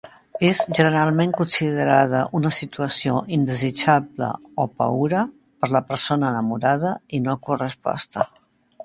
És generalment considerada una situació indesitjable o paüra per la persona enamorada i no corresposta.